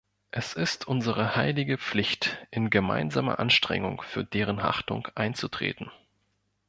Es ist unsere heilige Pflicht, in gemeinsamer Anstrengung für deren Achtung einzutreten.